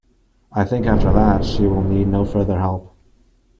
I think after that she will need no further help.